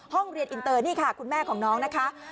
ห้องเรียนอินเตอร์นี่ค่ะคุณแม่ของน้องนะคะ